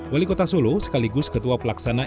wali kota solo sekaligus ketua pelaksana